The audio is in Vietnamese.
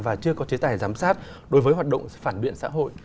và chưa có chế tài giám sát đối với hoạt động phản biện xã hội